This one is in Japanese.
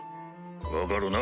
分かるな？